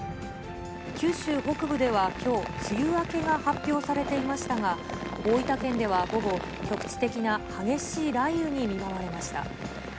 九州北部ではきょう、梅雨明けが発表されていましたが、大分県では午後、局地的な激しい雷雨に見舞われました。